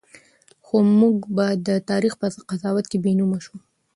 خو موږ به د تاریخ په قضاوت کې بېنومه شو.